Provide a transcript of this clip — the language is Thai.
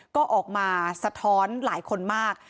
ก็ออกมาสะท้อนหลายคนมาก